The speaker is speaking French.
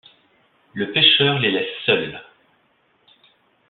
Le pêcheur les laisse seuls.